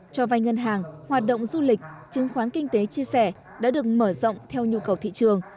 cho vai ngân hàng hoạt động du lịch chứng khoán kinh tế chia sẻ đã được mở rộng theo nhu cầu thị trường